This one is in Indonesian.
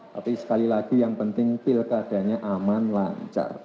tapi sekali lagi yang penting pilkadanya aman lancar